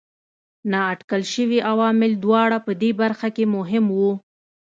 نااټکل شوي عوامل دواړه په دې برخه کې مهم وو.